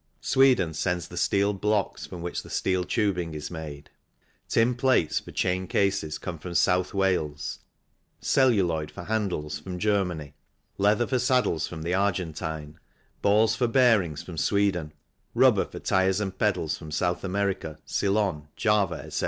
Sweden sends the steel blocks from which the steel tubing is made. Tin plates for chain cases come from South Wales, celluloid for handles from Germany, leather for saddles from the Argentine, balls for bearings from Sweden, rubber for tyres and pedals from South America, Ceylon, Java, etc.